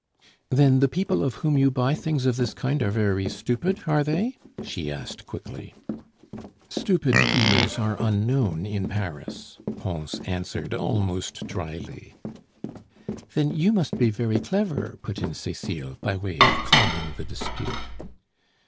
"Then the people of whom you buy things of this kind are very stupid, are they?" she asked quickly. "Stupid dealers are unknown in Paris," Pons answered almost drily. "Then you must be very clever," put in Cecile by way of calming the dispute.